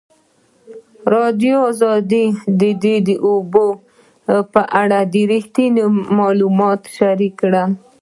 ازادي راډیو د د اوبو منابع په اړه رښتیني معلومات شریک کړي.